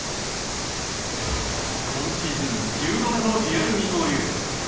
今シーズン１０度目のリアル二刀流。